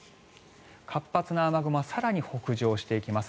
活発な雨雲は更に北上していきます。